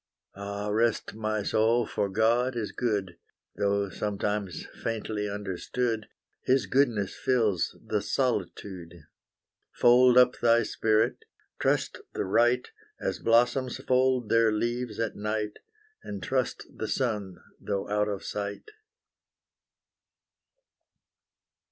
Ah rest my soul, for God is good, Though sometimes faintly understood, His goodness fills the solitude. Fold up thy spirit, trust the right, As blossoms fold their leaves at night, And trust the sun though out of sight.